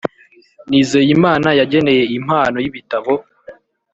nizeyimana yageneye impano y’ibitabo